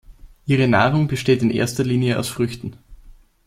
Ihre Nahrung besteht in erster Linie aus Früchten.